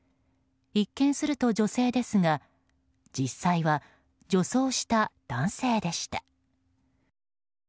一見すると女性ですが実際は、女装した男性でした。